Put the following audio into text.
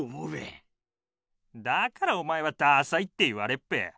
だからおまえはダサいって言われっぺ。